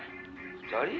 「２人？